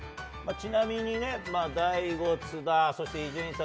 ちなみに大悟、津田伊集院さん